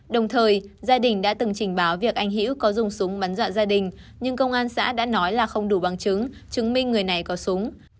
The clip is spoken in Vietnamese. đồng thời gia đình đã từng trình báo việc anh hữu có dùng súng bắn dọa gia đình nhưng công an xã đã nói là không đủ bằng chứng chứng minh người này có súng